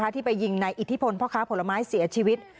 ที่ไปยิงในอิทธิพลพ่อค้าผลไม้เสียชีวิต